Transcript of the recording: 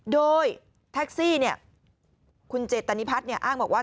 โดยแท็กซี่คุณเจตนิพัฒน์อ้างบอกว่า